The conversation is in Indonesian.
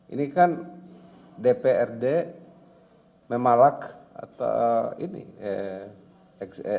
ini kan dprd memalak atau ini eh eh eh eh eh eh